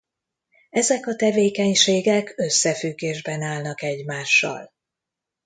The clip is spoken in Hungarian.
Ezek a tevékenységek összefüggésben állnak egymással.